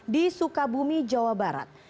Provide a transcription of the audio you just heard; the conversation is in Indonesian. di sukabumi jawa barat